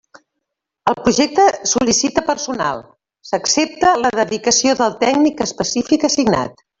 El projecte sol·licita personal, s'accepta la dedicació del tècnic específic assignat.